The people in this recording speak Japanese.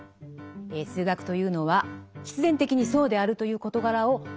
数学というのは「必然的にそうであるという事柄を探究する」